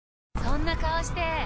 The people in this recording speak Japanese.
そんな顔して！